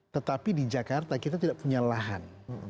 tetapi di jakarta kita tidak punya lahan